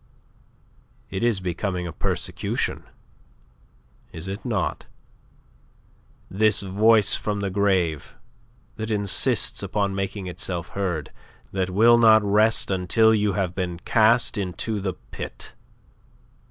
It is becoming a persecution is it not? this voice from the grave that insists upon making itself heard, that will not rest until you have been cast into the pit.